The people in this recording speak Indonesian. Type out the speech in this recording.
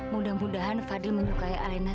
mudah mudahan fadli menyukai alena